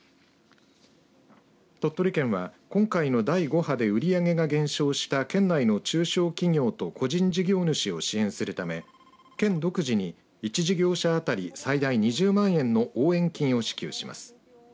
鳥取県は、今回の第５波で売り上げが減少した県内の中小企業と個人事業主を支援するため県独自に１事業者あたり最大２０万円の応援金を支給します。